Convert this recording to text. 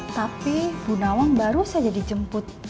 tapi bu nawang baru saja dijemput